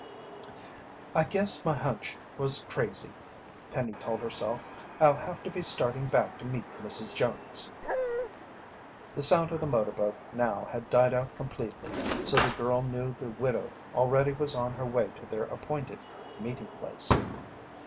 "I guess my hunch was crazy," Penny told herself. "I'll have to be starting back to meet Mrs. Jones." The sound of the motorboat now had died out completely, so the girl knew the widow already was on her way to their appointed meeting place.